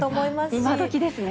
今どきですね。